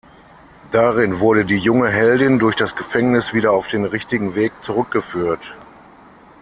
Darin wurde die junge Heldin durch das Gefängnis wieder auf den „richtigen Weg“ zurückgeführt.